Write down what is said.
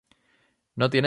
No tienen sutura facial.